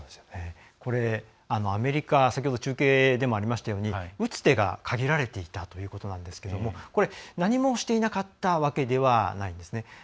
アメリカ先ほど中継でもありましたように打つ手が限られていたということなんですけれども何もしていなかったわけではないんですね。